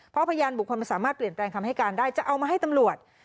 เพราะพยานบุคคลมันสามารถเปลี่ยนแปลงคำให้การได้จะเอามาให้ตำรวจ